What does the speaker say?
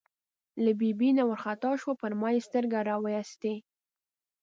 له ببۍ نه وار خطا شو، پر ما یې سترګې را وایستې.